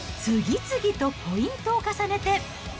次々とポイントを重ねて。